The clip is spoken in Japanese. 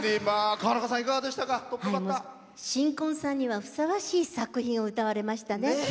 新婚さんにはふさわしい作品を歌われましたね。